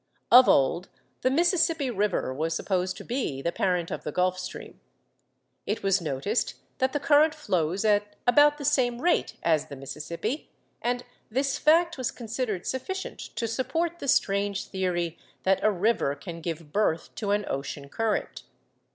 Of old the Mississippi River was supposed to be the parent of the Gulf Stream. It was noticed that the current flows at about the same rate as the Mississippi, and this fact was considered sufficient to support the strange theory that a river can give birth to an ocean current.